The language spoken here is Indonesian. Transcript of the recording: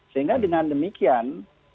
sehingga dengan demikian